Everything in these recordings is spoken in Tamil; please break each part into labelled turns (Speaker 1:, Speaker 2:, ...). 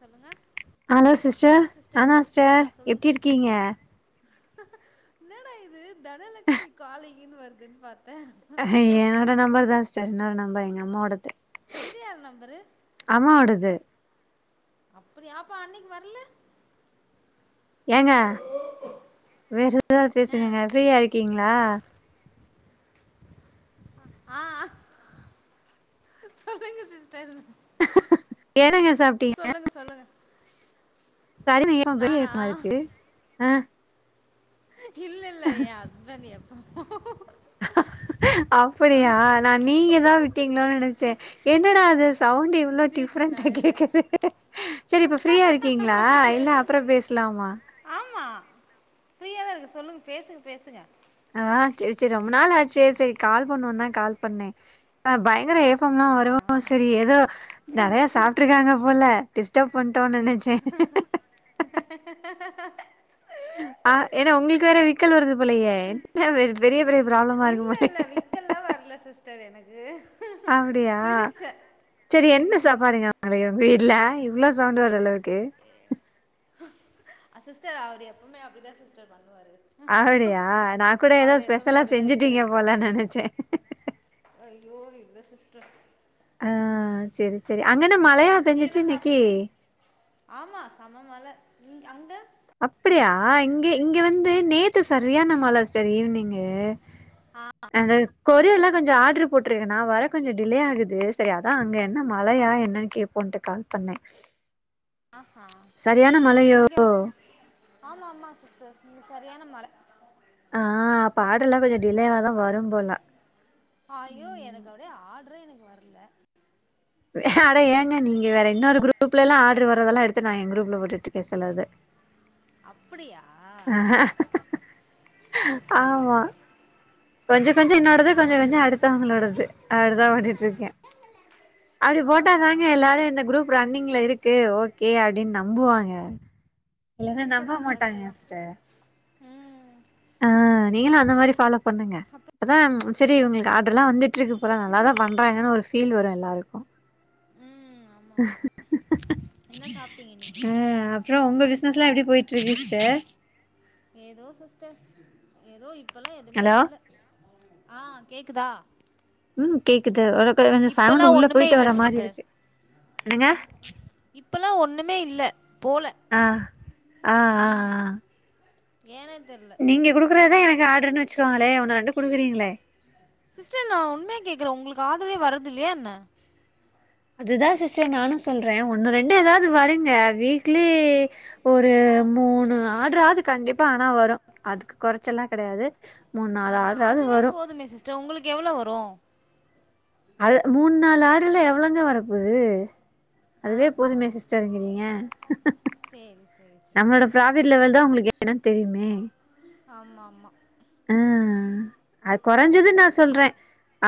Speaker 1: சொல்லுங்க
Speaker 2: ஹலோ சிஸ்டர்
Speaker 1: சொல்லுங்க சிஸ்டர்
Speaker 2: நாதா ஸ்டர் எப்டி இருக்கீங்க
Speaker 1: ஆஆ என்னடா இது தனலட்சுமி காளிங்ன்னு வருதுன் பாத்
Speaker 2: அஹ ஏய்யனோட நம்பர் தாங்ஸ் ஜென்னல் நம்பர் எங்க அம்மாவோடது
Speaker 1: இது யார் நெம்பரு
Speaker 2: அம்மாவோடது
Speaker 1: அப்படியா அப்ப அன்னைக் வர்ல
Speaker 2: ஏங்க வேற எதாவது
Speaker 1: ஆ
Speaker 2: பேசுங்கங்க ஃப்ரீயா இருக்கீங்ளா
Speaker 1: ஆஅ சொல்லுங்க சிஸ் செல்
Speaker 2: என்னங்க
Speaker 1: சொல்லுங் சொல்லுங்க நானா
Speaker 2: சரிமா [inaudible] ருக்கு அ
Speaker 1: இல்ல இல்ல எ ஹெஸ்பண்ட் எ ஹ்ம்ம் ஹ்ம்ம்
Speaker 2: ஹ ஹ அப்படியா நா நீங்க தா விட்டீங்களோனு நினைச்சே என்னடா அ சவுண்ட் இவ்வளோ
Speaker 1: சி சி நா
Speaker 2: டிஃப்ரண்டா
Speaker 1: இல்ல
Speaker 2: கேக்குது சரி இப்ப ஃப்ரீயா இருக்கீங்களா இல்ல அப்ற பேசலாமா
Speaker 1: ஆமா ஃப்ரீயா தா இருக்க சொல்லுங் பேசுங்க பேசுங்க
Speaker 2: ஆஹ செரி செரி ரொம்ப நாள் ஆச்சு செரி கால் பண்ணுவோம்னு தான் கால் பண்ணேன் பயங்கர சத்தயெல்லா
Speaker 1: ஆ ஆ
Speaker 2: வரும்
Speaker 1: ஆ.
Speaker 2: சரி ஏதோ நெறைய சாப்பட்டுருக்காங்க போல டிஸ்டப் பன்
Speaker 1: அஹ அஹ அஹ [inaudible]
Speaker 2: ஆஹ் ஏன்னா உங்களுக்கு வேற விக்கல் வருது புளையே பெரிய பெரிய ப்ராப்ளமா இருக்கு
Speaker 1: இல்ல
Speaker 2: பல
Speaker 1: இல்ல
Speaker 2: ஹ்
Speaker 1: விக்கல்லா
Speaker 2: ஹ் [inaudible]
Speaker 1: வரல சிஸ்டர் எனக்கு
Speaker 2: அப்புடியா
Speaker 1: சிரிச்சே
Speaker 2: சேரி என்ன
Speaker 1: ம்
Speaker 2: சாப்பாடுங்க மதியு வீட்டுல இவ்ளோ சவுண்ட் வர அளவுக்கு
Speaker 1: அ சிஸ்டர் அவரு எப்பமே அப்படிதான் சிஸ்டர் பண்
Speaker 2: அப்படியா நான் கூட ஏதோ
Speaker 1: அவரு எப்பவுமே
Speaker 2: ஸ்பெஷலா
Speaker 1: அப்டிதா விக்கல்
Speaker 2: செஞ்சுட்டீங்க
Speaker 1: எடுப்பாரு
Speaker 2: போல நினைச்சேன் க்குங் க்குங்
Speaker 1: [unintelligible]
Speaker 2: ஆஹ் சேரி சேரி அங்கன மழையா
Speaker 1: நீங்க
Speaker 2: பெஞ்சிச்சு
Speaker 1: என்ன
Speaker 2: இன்னைக்கு
Speaker 1: சாப்ட்டீங்க உம் அங்க
Speaker 2: அப்படியா இங்க இங்க வந்து நேத்து சரியான மழை சிஸ்டர் ஈவினிங்கு
Speaker 1: ஆ
Speaker 2: அது [unintelligible] கொரியர்ல்லா கொஞ்சம் ஆட்ரு போட்டிருக்கன்னா வர கொஞ்சம் டிலே ஆகுது சரி அதான் அங்க என்ன மழையா என்னன்னு கேட்போன்னு கால் பண்ணே
Speaker 1: ஆஹஹ
Speaker 2: சரியான மழையோ
Speaker 1: இங்க ஆமா ஆமா சிஸ்டர் இங்க சரியான மழை
Speaker 2: ஆஹ் ஆடர் எல்லாம் கொஞ்சம் டிலேவாதான் வரும்போல உம்
Speaker 1: ட்ரரைனுக்கு வரல [inaudible]
Speaker 2: வே‌‌ அட ஏங்க நீங்க வேற இன்னொரு குரூப்ல எல்லாம் ஆர்டர் வரதெல்லாம் எடுத்து நான் எ குரூப்ல போட்டுட்டு இருக்கேன் சில்லது
Speaker 1: அப்படியா
Speaker 2: அஹ்
Speaker 1: ஓகே
Speaker 2: [inaudible]
Speaker 1: ஓகே
Speaker 2: ஆமா
Speaker 1: ஓகே
Speaker 2: கொஞ்சம் கொஞ்சம் என்னோடது
Speaker 1: நா
Speaker 2: கொஞ்சம் கொஞ்சம்
Speaker 1: நெனச்சே
Speaker 2: அடுத்தவங்களோடது அடுத்தான் ஓடிட்டு இருக்கேன் அப்படி
Speaker 1: ஆஹா
Speaker 2: போட்டாதாங்க எல்லாரும் இந்த குரூப் ரன்னிங்ல இருக்கு ஓகே அப்படனு நம்புவாங்க என்னா
Speaker 1: கரெக்டு
Speaker 2: நம்ப
Speaker 1: தான் கரெக்டு
Speaker 2: மாட்டாங்க
Speaker 1: தான்
Speaker 2: சிஸ்டர்
Speaker 1: ம்
Speaker 2: ஆஹ் நீங்களும் அந்த மாதிரி ஃபாலோ பண்ணுங்க
Speaker 1: அப்புறம்
Speaker 2: அப்பதான் ம்ச் சேரி உங்களுக்கு ஆடர் ல்லாம் வந்துட்டுக்கு போற நல்லாதான் பண்றங்கன்னு ஒரு கீழ் வரும் எல்லாருக்கும்
Speaker 1: ம் ஆமாம்
Speaker 2: [inaudible]
Speaker 1: ஆமாம்
Speaker 2: அஹ்
Speaker 1: என்ன சாப்பிட்டீங்க இன்னைக்கு
Speaker 2: [unintelligible] அப்புறம்.. உங்க பிசினஸ் லாம் எப்படி போயிட்டு இருக்கு சிஸ்டர்
Speaker 1: ஏதோ சிஸ்டர் ஏதோ இப் இப்ப எதுவுமே
Speaker 2: ஹலோ
Speaker 1: இல்லை ஆஹ் கேக்குதா
Speaker 2: உம் கேக்குது உ கொஞ்சம் சவுண்ட் உள்ள
Speaker 1: ஒன்றுமே
Speaker 2: போயிட்டு
Speaker 1: இல்லை
Speaker 2: வர மாதிரி
Speaker 1: சிஸ்டர்
Speaker 2: இருக்கு என்னங்க
Speaker 1: மே இல்ல
Speaker 2: ஆ ஆ ஆ ஆ
Speaker 1: ஏனே தெரில
Speaker 2: நீங்க குடுக்குறதுதா என க்கு ஆர்டர்ன்னு வச்சுக்கோங்களே ஒண்ணு ரெண்டு குடுக்குறீங்களே.
Speaker 1: சிஸ்டர் நா உண்மையா கேக்குறே உங்களுக்கு ஆர்டரே வரதில்லையா என்ன?
Speaker 2: அதுதா சிஸ்டர் நானு சொல்றே. ஒண்ணு ரெண்டு ஏதாது வருங்க வீக்லி ஒரு மூணு ஆர்ட்றாது கண்டிப்பா ஆனா வரு அதுக்கு கொறைச்சு எல்லா கெடயாது மூணு நாலு ஆர்டராது வரு.
Speaker 1: டர் உங்களுக்கு எவ்ளோ வரு?
Speaker 2: அது மூணு நாலு ஆர்டருல எவ்ளவுங்க வரப்போது? அதுவே போதுமே சிஸ்டருங்கிறீங்க. ஹஹ
Speaker 1: சேரி சே
Speaker 2: தான் உங்களுக்கு என்னன்னு தெரியுமே
Speaker 1: ஆமா ஆமா
Speaker 2: ஆ அது கொறைஞ்சது நா சொல்றே.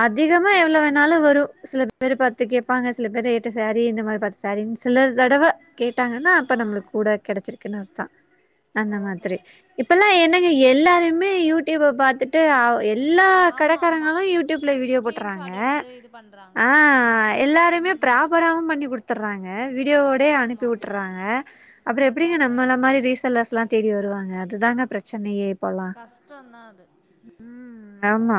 Speaker 2: அதிகமா எவ்ளவு
Speaker 1: சரி
Speaker 2: வேண்ணாலு வரு. சில பேரு பத்து கேப்பாங்க சில பேரு எட்டு சாரீ இந்த மாரி பத்து சாரீன்னு சில தடவ கேட்டாங்கன்னா அப்ப
Speaker 1: ஆ
Speaker 2: நம்மளுக்கு கூட கெடைச்சிருக்குன்னு அர்த்தோ அந்த
Speaker 1: ஓஹோ
Speaker 2: மாதிரி இப்பெல்லா என்னங்க எல்லாருமே யூ டியூப பாத்துட்டு ஆ எ ல்லா
Speaker 1: ஆமா ஆமா
Speaker 2: கடக்காரங்களு யூடியூப்ல வீடியோ போட்டறாங்க.
Speaker 1: ஸ்க்ரீன்ஷாட் எடுத்து இது பண்றாங்க
Speaker 2: ஆ
Speaker 1: ஆமா
Speaker 2: எல்லாருமே
Speaker 1: ம்
Speaker 2: ப்ராப்பராவு பண்ணி குடுத்தர்றாங்க வீடியோ வோட அனுப்பி
Speaker 1: ஆமா
Speaker 2: விட்றாங்க. அப்றோ
Speaker 1: அதா
Speaker 2: எப்டிங்க
Speaker 1: அதா
Speaker 2: நம்மள
Speaker 1: அதா
Speaker 2: மாரி ரீசெல்லர்ஸ்லா தேடி வருவாங்க அதுதாங்க பிரச்சனையே இப்பல்லா.
Speaker 1: கஷ்டந்தா அது
Speaker 2: ம் ம் ஆமா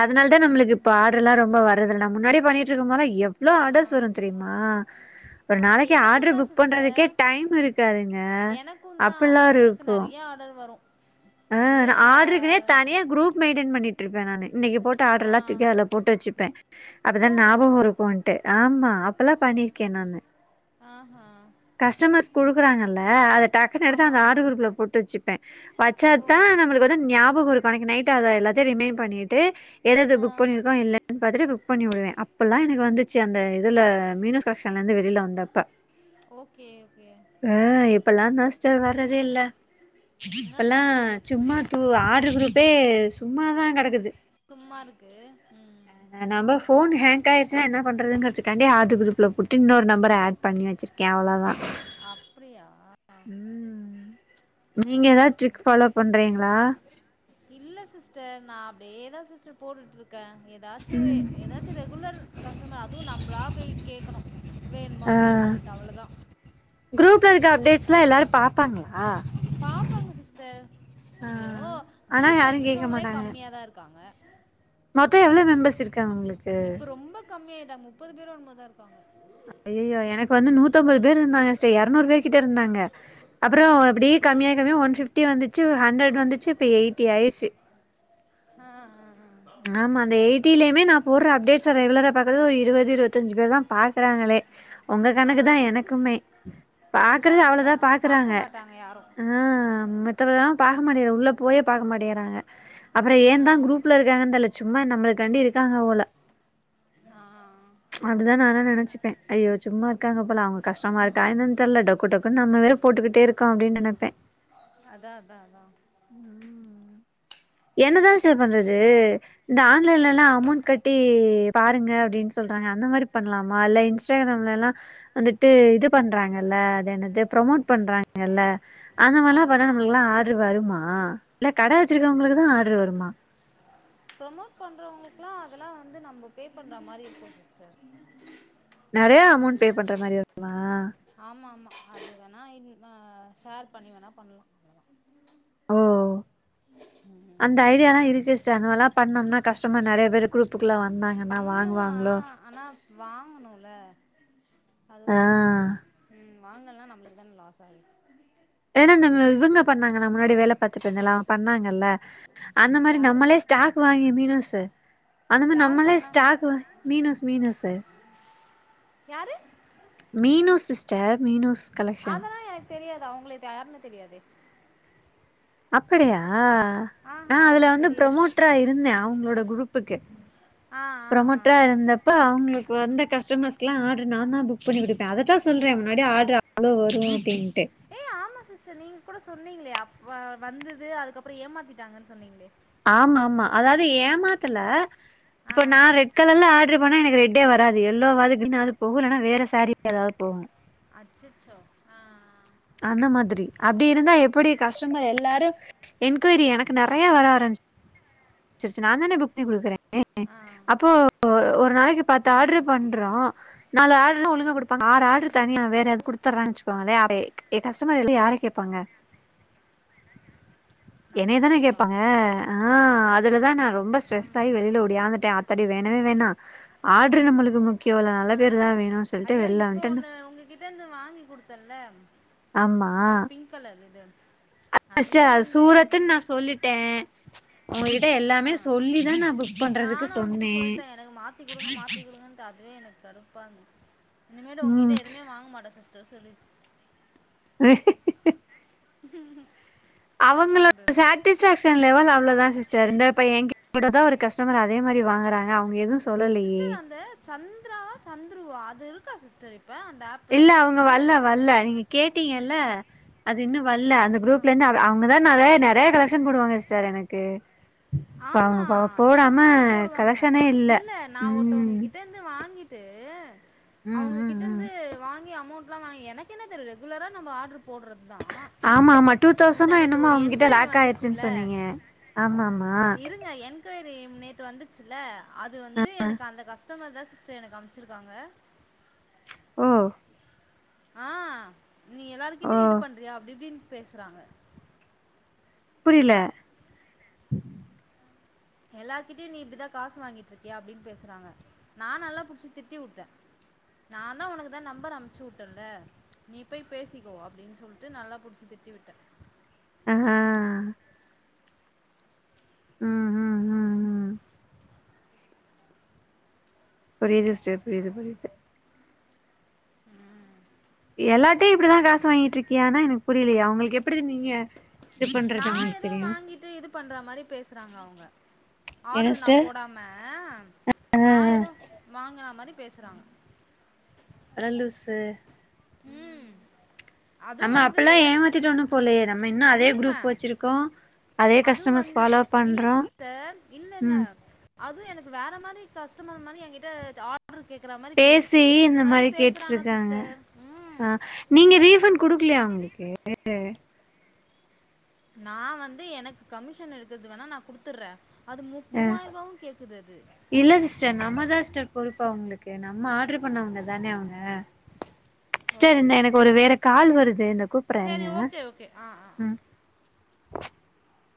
Speaker 2: அதனாலதா நம்மளுக்கு இப்ப ஆர்ட்ரெல்லா ரொம்ப வரதில்ல நா முன்னாடி பண்ணிட் ருந்தமல்ல எவ் எவ்ளோ ஆர்டர்ஸ் வரு தெரியுமா? ஒரு
Speaker 1: ஆ
Speaker 2: நாளைக்கி ஆர்டரு
Speaker 1: எனக்குந்தா
Speaker 2: புக்
Speaker 1: சிஸ்டர்
Speaker 2: பண்றதுக்கே டைம் இருக்காதுங்க.
Speaker 1: எனக்குந்தா
Speaker 2: அப்டிலா
Speaker 1: எனக்கு
Speaker 2: இருக்கு
Speaker 1: நெறைய ஆர்டர் வரு
Speaker 2: ஆ
Speaker 1: நெறையா
Speaker 2: நா ஆர்ட்ருக்குனே
Speaker 1: ஏர்ன்
Speaker 2: தனியா
Speaker 1: பண்ணே
Speaker 2: குரூப் மெயின்டென் பண்ணிட்டு இருப்பே நானு. இன்னைக்கி போட்ட
Speaker 1: ஆ
Speaker 2: ஆர்டரெல்லா தூக்கி அதுல போட்டு வச்சுப்பே. அப்பதா
Speaker 1: ஓ
Speaker 2: ஞாபகோ இருக்குன்ட்டு ஆமா அப்பல்லா பண்ணிருக்கே நானு
Speaker 1: ஆஹா
Speaker 2: கஸ்டமர் குடுக்குறாங்கல் ல அத டக்குன்னு எடுத்து அந்த
Speaker 1: ஆமாமா
Speaker 2: ஆர்ட்ரு குரூப்புல போட்டு வச்சுப்பே
Speaker 1: ஓ
Speaker 2: வச்சாத்தா நம்மளுக்கு வந்து ஞாபகோ இருக்கு அன்னைக்கி நைட் அத எல்லாத்தையு ரிமைண்ட் பண்ணிட்டு எது எது
Speaker 1: ஆ
Speaker 2: புக் பண்ணிருக்கோ இல்லைன்னு பாத்துட்டு புக் பண்ணி விடுவே. அப்பல்லா எனக்கு வந்து ச்சு அந்த இதுல மீனாஸ் கலெஷன்ல இருந்து வெளியில வந்தப்ப.
Speaker 1: ஓகே ஓகே
Speaker 2: ஆ இப்பல்லாந்தா சிஸ்டர் வர்தே இல்ல.
Speaker 1: என்ன
Speaker 2: னா
Speaker 1: பண்றது
Speaker 2: சும்மா தூ ஆ ஆட்ரு குரூப்பே சும்மாதா கடக்குது
Speaker 1: சும்மா இருக்கு ம்
Speaker 2: ஆ நம்ப ஃபோன் ஹேங்க் ஆயிச்சுன்ன என்னா பண்றதுக்கான்டி ஆர்டரு குரூப்ல போட்டு இன்னொரு நம்பர் ஏட் பண்ணி வச்சிருக்கே அவ்ளோதா
Speaker 1: அப்டியா
Speaker 2: ம் நீங்க தா ஸ்ட்ரிக் ஃபாலோ பண்றீகளா
Speaker 1: அதேதா சிஸ்டர் போட்டுட்டுருக் இருக்க ஏதாச்சு
Speaker 2: ம்
Speaker 1: ஏதாச்சு ரெகுலர் கஸ்டமர் அதுவு நம்பளா போய் கேட்கணு வேணுமா
Speaker 2: ஆ
Speaker 1: வேணுமான்ட்டு அவ்ளதா
Speaker 2: ப்ல அப்டேட்ஸ்லா எல்லாரு பாப்பாங்கள
Speaker 1: பாப்பாங்க சிஸ்டர்
Speaker 2: ஆ
Speaker 1: ஐயோ
Speaker 2: ஆனா
Speaker 1: குரூப்ல
Speaker 2: யாரு
Speaker 1: இருக்கிறவங்களே கம்மியாதா இருக்காங்க
Speaker 2: மத்த எவ்ள மெம்பர்ஸ் இரு க்காங்களுக்கு
Speaker 1: ட முப்பது பேரோ என்னமோ இருக்காங்க
Speaker 2: ஐய்யோ எனக்கு வந்து நூத்தம்பது இருந்தாங்க சார் இருநூறு பேரு கிட்ட இருந்தாங்க அப்ற
Speaker 1: ஆ
Speaker 2: இப்டியே கம்மியா கம்மியா ஒன் பிப்டி வந்துச்சு ஆண்ரட் வந்துச்சு இப்போ எயிட்டி ஆயிச்சு
Speaker 1: ஆ ஆ அ
Speaker 2: ஆமா அந்த எயிட்டிலயுமே நா போடுற அப்டேட்ஸ ரெகுலரா பாக்றது ஒரு இருபது இருபத்தஞ்சு பேர் தா பாக்குறாங்களே உங்க
Speaker 1: ஆ ஆ
Speaker 2: கணக்கு தா எனக்குமே
Speaker 1: அதுதா
Speaker 2: பாக்கறது
Speaker 1: அதுதா
Speaker 2: அவ்ளோதா பாக்குறாங்க
Speaker 1: பாக்க மாட்டாங்க யாரு
Speaker 2: ஆ மத்தப பாக்கமாட்டிங்க உள்ள போயே பாக்க மாட்டேறாங்க அப்ற ஏன்
Speaker 1: ஆ
Speaker 2: தா குரூப்ல இருக் இருந்தாங்கன் தெர்ல சும்மா நம்மளுக்காண்டி இருக்காங்க ஓல
Speaker 1: ஆ
Speaker 2: ச் அப்டிதா நானு நெனச்சுப்பே ஐயோ சும்மா இருக்காங்க போல அவங்க கஷ்டமா இருக்கா என்னனு தெர்ல டொக்கு டொக்குன்னு நம்மவேற போட்டுக்கிட்டே இருக்கோ அப்டின் நெனப்பே
Speaker 1: அதா அதா அதா
Speaker 2: என்னதா ஸ்டர் பண்றது இந்த ஆன்லைன்ல எல்லா அமௌண்ட் கட்டி பாருங்க அப்டின்னு சொல்றாங்க அந்த மாதிரி பண்ணலாமா இல்ல இன்ஸ்டாகிராம்ல எல்லா வந்துட்டு இது பண்றாங்கல்ல அது என்னது ப்ரமோட் பண்றாங்கல்ல அந்த மாரி எல்லா
Speaker 1: ஆமா
Speaker 2: பண்ணா நம்மளுக்கெலா ஆட்ரு வருமா ஆ இல்ல கட வச்சிருக்கவுங்களுக் கு ஆட்ரு வருமா
Speaker 1: ப்ரமோட் பண்றவங்களுக்கெலா அதெல்லா வந்து நம்ம பேப்பண்ற மாரி இருக்கு சிஸ்டர்
Speaker 2: நெறையா அமௌண்ட் பே பண்ற மாரி வருமா?
Speaker 1: ஆமா ஆமா அது வேணா இங்க ஷேர் பண்ணி வேணா பண்ணலா
Speaker 2: ஓ அந்த ஐடியாலா இருக்கு ஸ்டர் அந்தமல்லா பண்ணோம்னா கஷ்டமா நிறைய பேரு குரூப்புக்குல்ல வ
Speaker 1: பண்ணலா ஆனா வாங்கனுல அது
Speaker 2: ஆ
Speaker 1: ஒரு இது ம் வாங்கலா நம்மளுக்தா லாசா ஆ இரு
Speaker 2: ஏன்னா இந்த இவங்க பண்ணாங்க நா முன்னாடி வேல பாத்துட்டுருந்தேல அவங்க பண்ணாங்கல்ல அந்த மாரி
Speaker 1: யாரு
Speaker 2: நம்மளே ஸ்டாக் வாங்கி மீனஸு அந்த மாரி
Speaker 1: யாரு
Speaker 2: நம்மளே
Speaker 1: பண்ணா
Speaker 2: ஸ்டாக் மீனோஸ் மீனோஸ்
Speaker 1: யாரு?
Speaker 2: மீனு சிஸ்டர் மீனூஸ் கலெக்ஷன்
Speaker 1: அதெல்லா எனக்கு தெரியாது அவங்கள இது யாருன்னு தெரியாதே.
Speaker 2: அப்படியா? நா
Speaker 1: ஆஹா
Speaker 2: அதுல வந்து
Speaker 1: தெரியாது
Speaker 2: ப்ரமோட்டரா இருந்தே அவங்களோட குரூப்புக்கு
Speaker 1: ஆ ஆ ஆ
Speaker 2: ப்ரமோட்டரா இருந்தப்ப அவங்களுக் கு வந்த கஸ்டமர்ஸ்க்லா ஆர்டரு நான்தா புக் பண்ணி குடுப்பே. அதத்தா சொல்றே முன்னாடி ஆர்ட்ரு அவ்ளோ வரு அப்டின்
Speaker 1: ஏ ஆமா சிஸ்டர் நீங்க கூட சொ ன்னிங்களே அப்ப வந்துது அதுக்கப்பறோ ஏமாத்திட்டாங்கன்னு சொன்னீங்களே.
Speaker 2: ஆமா ஆமா அதாவது ஏமாத்துல இப்ப நா
Speaker 1: ஆ
Speaker 2: ரெட் கலர்ல ஆர்ட்ரு பண்ணா எனக்கு ரெட் டே வராது எல்லோவாது கிரீனாது போகு இல்லன்னா வேற சாரீ ஏதாவது போகு.
Speaker 1: அச்சச்சோ ஆ ஆ
Speaker 2: அந்த மாதிரி. அப்டி இருந்தா எப்படி கஸ்டமர் எல்லாரு என்கொயரி எனக்கு நெறைய வர ஆரம்பிச் சிருச்சு நாந்தான புக் பண்ணி குடுக்குறே.
Speaker 1: ஆ
Speaker 2: [inaudible] அப்போ ஒரு ஒரு நாளைக்கி பத்து
Speaker 1: ஆமாம்
Speaker 2: ஆர்டரு
Speaker 1: ஆமாம்
Speaker 2: பண்றோ நாலு ஆர்டருதா ஒழுங்கா குடுப்பாங்க ஆறு ஆர்டரு [inaudible] வேற எதா குடுத்தர்றாங்கன்னு வச்சுக் குவோ அது ஏன் கஸ்டமர் வந்து யார கேப்பாங்க?
Speaker 1: நம்மள
Speaker 2: என்னையதான
Speaker 1: தான் கேட்பாங்க
Speaker 2: கேப்பாங்க ஆ அ துலதா நா ரொம்ப ஸ்ட்ரெஸ் ஆயி
Speaker 1: ஆமாம்
Speaker 2: வெளில ஒடியாந்துட்டே ஆத்தாடி வேண் டவே வேண்டா ஆட்ரு நம்மளுக்கு முக்
Speaker 1: ஆ ஐயோ இப்போ
Speaker 2: வந்ட்டே
Speaker 1: ஒன்னு உங்ககிட்ட இருந்து வாங்கி குடுத்தேன்ல
Speaker 2: ஆமா ஃபர்ஸ்ட்டு
Speaker 1: அதுவே
Speaker 2: அது
Speaker 1: வந்து எனக்கு
Speaker 2: சூரத்துன்னு
Speaker 1: இது
Speaker 2: நா சொல்லிட்டே ஓங் கிட்ட
Speaker 1: ஆ
Speaker 2: எல்லாமே சொல்லிதா நா புக் பண்றதுக்கு
Speaker 1: நானும் அவங்ககிட்ட
Speaker 2: சொன்னே
Speaker 1: வே எனக்கு கடுப்பா இருந்துது. இனிமேலு உங்ககிட்ட
Speaker 2: ம்
Speaker 1: எதுமே வாங்க மாட்ட சிஸ் டர்னு சொல்லிருச்சு.
Speaker 2: ஹ
Speaker 1: உஹம்
Speaker 2: அவங்களோட சாட்டிஸ்ஃபேக்ஷன் லெவல் அவ்ளோதா சிஸ்டர் இந்த இப்ப ஏன்கி ட்ட கூடதா ஒரு கஸ்டமர் அதே மாரி வாங்கறாங்க அவங்க எதுவு சொ
Speaker 1: சிஸ்டர் அந்த சந்திராவா சந்துருவா அது இரு க்கா சிஸ்டர் இப்
Speaker 2: இல்ல அவங்க வல்ல வல்ல நீங்க கேட்டீங்கல்ல அது இன்னு வல்ல அந்த குரூப்ல இருந்து அவ அவங்கதா நெறைய நெறைய கலெக்ஷன் போடுவாங்க சிஸ்டர் எனக்கு. பாவோ
Speaker 1: ஆமா
Speaker 2: பாவோ போடாம
Speaker 1: எனக்குமே போடுவாங்க இல்ல நான் ஒருத்தவங்க
Speaker 2: ம்
Speaker 1: கிட்ட இருந்து வாங்கிட்டு ட் [unintelligible]
Speaker 2: ம்
Speaker 1: அவங்க
Speaker 2: ம் ம்
Speaker 1: கிட்டந்து வாங்கி அமௌண்ட் யம்ம எனக்கு என்னத்த ரெகுலரா நம்ம ஆர்டர் போடுறது தான்
Speaker 2: ஆமா ஆமா டூ
Speaker 1: முந்தா
Speaker 2: தௌசண்ட ஆ
Speaker 1: நேத்து
Speaker 2: என்னமோ
Speaker 1: ஒரு
Speaker 2: அவகிட்ட
Speaker 1: என்கொயரி
Speaker 2: லாக் ஆயிருச்சுன்
Speaker 1: வந்துச்சுல்ல
Speaker 2: சொன்னீங்க ஆமா ஆமா
Speaker 1: இருங்க என்கொயர்க் நேத்து வந்துச்சுல அது வந்து எனக்கு அந்த கஷ்ட கஸ்டமா தான் சிஸ்டர் எனக்கு அமுச்சிருக்காங்க
Speaker 2: ஓ
Speaker 1: ஆஹ் நீ
Speaker 2: ஓ
Speaker 1: எல்லாருகிட்டய இது பண்ன்றியா அப்படி இப்படின்னு பேசுறாங்க
Speaker 2: புரியல
Speaker 1: எல்லார்கிட்டயும் நீ இப்படிதான் காசு வாங்கிட்டு இருக்கியா அப்படின்னு பேசுறாங்க நான் நல்லா புடிச்சு திட்டி விட்டேன் நான் தான் உனக்குதான் நம்பர் அமைச்சு விட்டேன்ல நீ போய் பேசிக்கோ அப்படின்னு சொல்லிட்டு நல்லா புடிச்சு திட்டி விட்டேன்
Speaker 2: ஆஹஹ உஹம் உஹம் உஹம் உஹம் புரியுது ஸ்டர் புரியுது புரியுது
Speaker 1: உஹம்
Speaker 2: எல்லாரிட்டையும் இப்படிதான் காசு வாங்கிட்டு இருக்கியானு எனக்கு புரியல அவங்களுக்கு எப்படி நீங்க இது பண்றது
Speaker 1: நான்
Speaker 2: அவங்களுக்கு
Speaker 1: ஏதோ
Speaker 2: தெரியு
Speaker 1: வாங்கிட்டு இது பண்ற மாதிரி பேசுறாங்க அவங்க
Speaker 2: என்ன
Speaker 1: ஆர்டரு நான்
Speaker 2: சிஸ்டர்
Speaker 1: போடாம
Speaker 2: ஆ
Speaker 1: நான் ஏதோ வாங்கின மாதிரி பேசுறாங்க
Speaker 2: அடலூசு
Speaker 1: ம்
Speaker 2: உம்
Speaker 1: அதுவும்
Speaker 2: நம்ம
Speaker 1: வந்து
Speaker 2: அப்பல்லாம் ஏமாத்திட்டு ஒன்னு போலையே நம்ம இன்னும் அதே குரூப்
Speaker 1: இருங்க
Speaker 2: வச்சிருக்கோம்
Speaker 1: அதுவும் வந்து இல்ல சிஸ்டர் இல்ல இல்ல
Speaker 2: ம்
Speaker 1: அதுவு எனக்கு வேற மாதிரி கஸ்டமர்மாரி எங்கிட்ட
Speaker 2: பேசி இந்த மாரி
Speaker 1: பேசுகிறாங்க
Speaker 2: கேட்டுட்ருக்காங்க
Speaker 1: சிஸ்டர் ம்
Speaker 2: ஆஹ நீங்க ரீசண்ட் குடு இருலையா உங்களுக்கு [unintelligible]
Speaker 1: நான் வந்து எனக்கு கமிஷன் இருக்குது வேணா நா குடுத்துடுறே
Speaker 2: ஹ இல்ல சிஸ்டர் நம்மதான் சி்ஸ்டர் பொறுப் இப்ப உங்களுக்கு நம்ம ஆர்டரு பண்ணவங்க தானே அவங்க
Speaker 1: ஓ,
Speaker 2: சரி இந்த எனக்கு ஒரு வேற கால் வருது இந்த கூப்பிறே
Speaker 1: சரி
Speaker 2: இருங்க
Speaker 1: ஓகே ஓகே ஆ ஆ ஆ.
Speaker 2: உம் [inaudible]